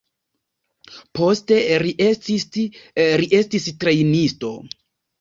Poste li estis trejnisto.